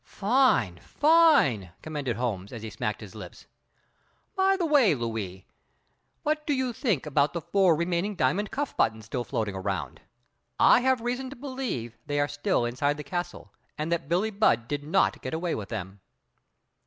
"Fine, fine!" commended Holmes, as he smacked his lips. "By the way, Louis, what do you think about the four remaining diamond cuff buttons still floating around? I have reason to believe they are still inside the castle, and that Billie Budd did not get away with them."